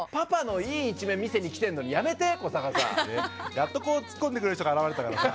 やっとこうツッコんでくれる人が現れたからさ。